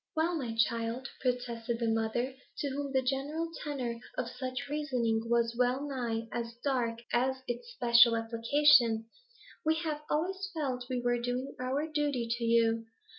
'Well, my child,' protested the mother, to whom the general tenor of such reasoning was well nigh as dark as its special application, 'we have always felt we were doing our duty to you.